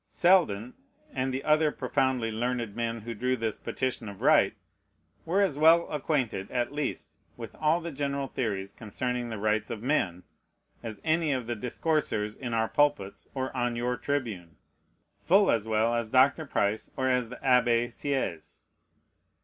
Selden, and the other profoundly learned men who drew this Petition of Right, were as well acquainted, at least, with all the general theories concerning the "rights of men" as any of the discoursers in our pulpits or on your tribune: full as well as Dr. Price, or as the Abbé Sièyes.